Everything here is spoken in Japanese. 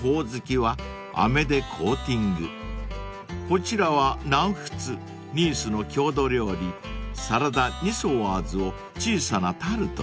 ［こちらは南仏ニースの郷土料理サラダニソワーズを小さなタルトに］